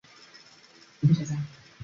直隶曲周县人。